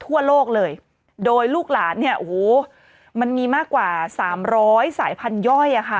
ทั่วโลกเลยโดยลูกหลานเนี่ยโอ้โหมันมีมากกว่าสามร้อยสายพันธย่อยอ่ะค่ะ